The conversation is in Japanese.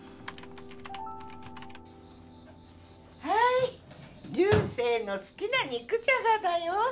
はい流星の好きな肉じゃがだよ。